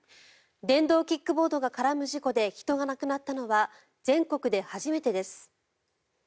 電動キックボードが絡む事故で人が亡くなったのは全国で初めてです。